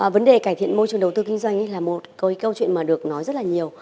vấn đề cải thiện môi trường đầu tư kinh doanh là một câu chuyện được nói rất nhiều